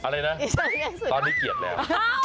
อะไรนะตอนนี้เกลียดแล้ว